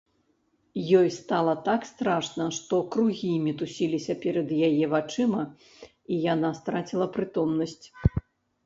Ёй стала так страшна, што кругі мітусіліся перад яе вачыма, і яна страціла прытомнасць.